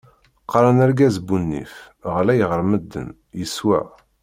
Qaren argaz bu nnif, ɣlay ɣer medden, yeswa.